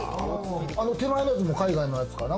手前のやつも海外のやつかな？